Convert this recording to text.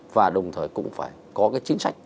và đồng thời cũng phải có cái chính sách